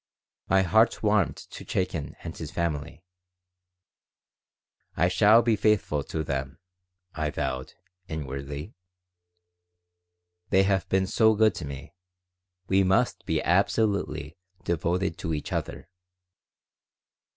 My heart warmed to Chaikin and his family. "I shall be faithful to them," I vowed inwardly. "They have been so good to me. We must be absolutely devoted to each other.